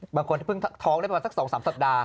บางคนที่เพิ่งท้องได้เป็นสัก๒๓สัปดาหฟ์